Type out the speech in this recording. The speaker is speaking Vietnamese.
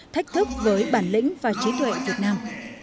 thách thức với bản lĩnh và trí tuệ việt nam